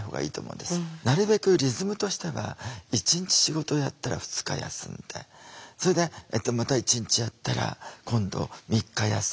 なるべくリズムとしては１日仕事をやったら２日休んでそれでまた１日あったら今度３日休んでって。